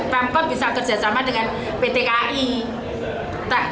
pemkot bisa kerjasama dengan pt kai